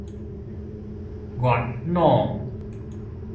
月老